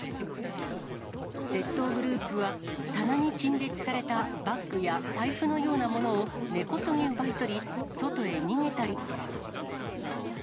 窃盗グループは、棚に陳列されたバッグや財布のようなものを根こそぎ奪い取り、外へ逃げたり。